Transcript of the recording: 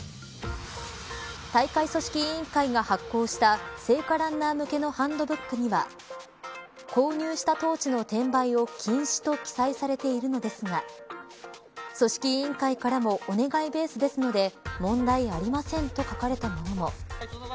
大会組織委員会が発行した聖火ランナー向けのハンドブックには購入したトーチの転売を禁止と記載されているのですが組織委員会からもお願いベースですので問題ありませんと書かれたものも。